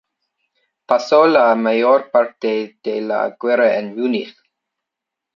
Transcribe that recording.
Pasó la mayor parte de la guerra en Múnich.